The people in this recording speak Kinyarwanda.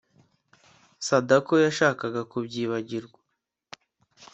Sadako yashakaga kubyibagirwa